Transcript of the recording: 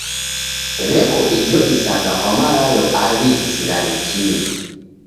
W'eko ijo isanga kwa malalo aw'i ghisigharikie.